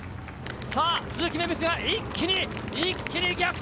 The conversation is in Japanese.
さあ、鈴木芽吹が、一気に、一気に逆転。